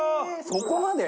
そこまで？